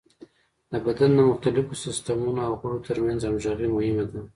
د بدن د مختلفو سیستمونو او غړو تر منځ همغږي مهمه ده.